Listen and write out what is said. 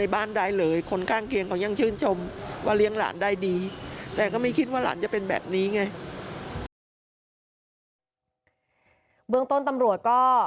เบื้องต้นตำรวจก็